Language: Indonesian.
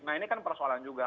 nah ini kan persoalan juga